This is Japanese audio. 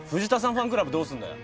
ファンクラブどうすんだよ。